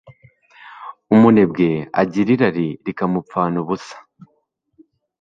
umunebwe agira irari rikamupfana ubusa